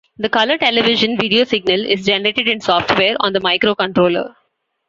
The color television video signal is generated in software on the microcontroller.